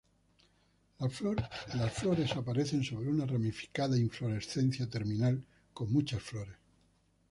Las flores aparecen sobre una ramificada inflorescencia terminal con muchas flores.